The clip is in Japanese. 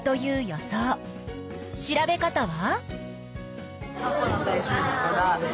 調べ方は？